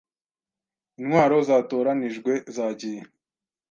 Intwaro zatoranijwe zagiye